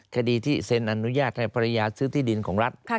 คดีที่เซ็นอนุญาตให้ภรรยาซื้อที่ดินของรัฐ